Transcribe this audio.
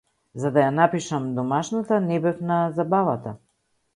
За да ја напишам домашната не бев на забавата.